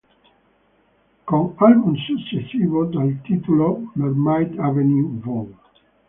Con l'album successivo, dal titolo "Mermaid Avenue Vol.